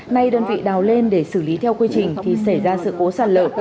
nay đơn vị đào lên để xử lý theo quy trình thì xảy ra sự cố sạt lở